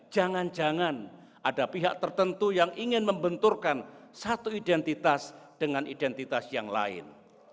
jangan jangan ada pihak tertentu yang ingin membenturkan satu identitas dengan identitas yang lain